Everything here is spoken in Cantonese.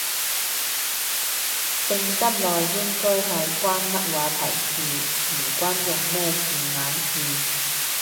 靜得耐應該係關冇話題事，唔關用咩字眼事